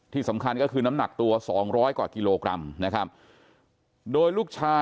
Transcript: ที่สำคัญก็คือน้ำหนักตัวสองร้อยกว่ากิโลกรัมนะครับโดยลูกชาย